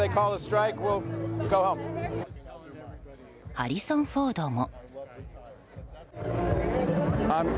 ハリソン・フォードも。